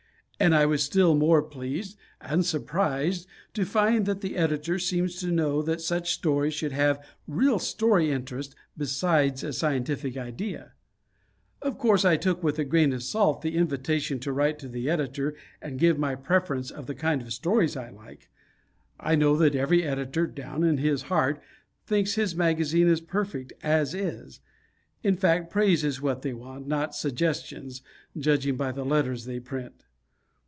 And I was still more pleased, and surprised, to find that the Editor seems to know that such stories should have real story interest, besides a scientific idea. Of course I took with a grain of salt the invitation to write to the editor and give my preference of the kind of stories I like. I know that every editor, down in his heart, thinks his magazine is perfect "as is." In fact, praise is what they want, not suggestions, judging by the letters they print.